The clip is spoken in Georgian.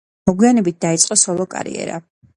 მოგვიანებით დაიწყო სოლო-კარიერა.